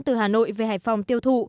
từ hà nội về hải phòng tiêu thụ